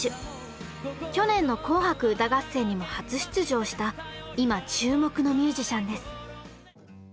去年の「紅白歌合戦」にも初出場した今注目のミュージシャンです。